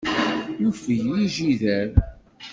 Yufeg yijider.